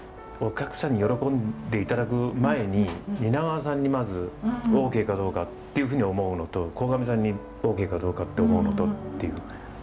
お客さんに喜んでいただく前に蜷川さんにまずオーケーかどうかっていうふうに思うのと鴻上さんにオーケーかどうかって思うのとっていう。